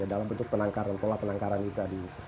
ya dari bentuk penangkaran pola penangkaran itu tadi